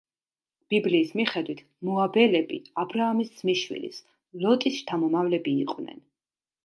ბიბლიის მიხედვით მოაბელები აბრაამის ძმისშვილის, ლოტის შთამომავლები იყვნენ.